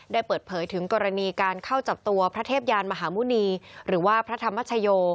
ได้เปิดเผยถึงกรณีการเข้าจับตัวพระเทพยานมหาหมุณีหรือว่าพระธรรมชโย